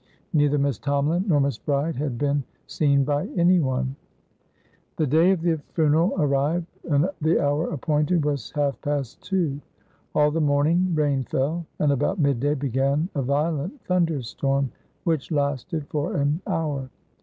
Neither Miss Tomalin nor Miss Bride had been seen by anyone. The day of the funeral arrived; the hour appointed was half past two. All the morning rain fell, and about mid day began a violent thunder storm, which lasted for an hour.